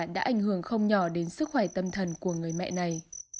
đã ảnh hưởng không nhỏ đến sức khỏe tâm thần của người mẹ này